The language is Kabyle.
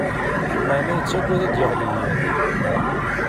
Maɛna yettaggad ad d-yeɣli yiḍ.